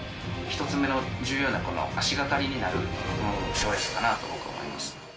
１つ目の重要な足がかりになる賞レースかなと僕は思います